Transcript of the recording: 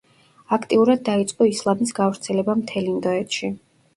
აქტიურად დაიწყო ისლამის გავრცელება მთელ ინდოეთში.